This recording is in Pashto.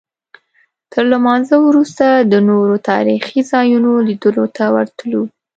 تر لمانځه وروسته د نورو تاریخي ځایونو لیدلو ته ووتلو.